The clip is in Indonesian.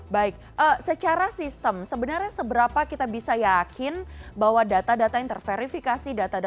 baik secara sistem sebenarnya seberapa kita bisa yakin bahwa data data yang terverifikasi data data